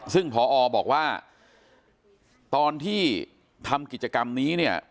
ซึ่งพอบอกว่าตอนที่ทำกิจกรรมนี้เนี่ย